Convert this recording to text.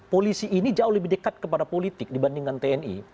polisi ini jauh lebih dekat kepada politik dibandingkan tni